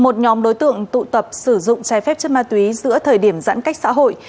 một nhóm đối tượng tụ tập sử dụng trái phép chất ma túy giữa thời điểm giãn cách xã hội